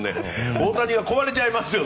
大谷が壊れちゃいますよ